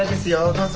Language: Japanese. どうぞ。